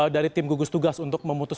dari tim gugus tugas untuk memutus